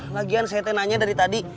lagian saya nanya dari tadi